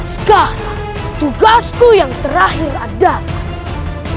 ska tugasku yang terakhir adalah